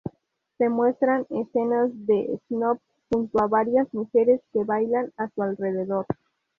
Se muestran escenas de Snoop junto a varias mujeres que bailan a su alrededor.